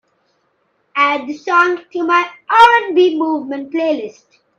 Add the song to my R&B Movement playlist.